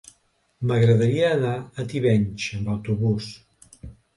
M'agradaria anar a Tivenys amb autobús.